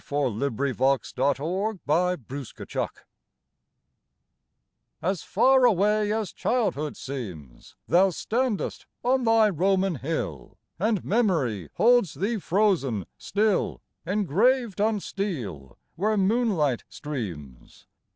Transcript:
Oh, Lincoln, City of my dreams As far away as childhood seems Thou standest on thy Roman hill, And memory holds thee frozen, still, Engraved on steel where moonlight streams.